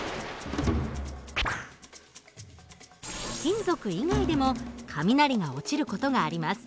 金属以外でも雷が落ちる事があります。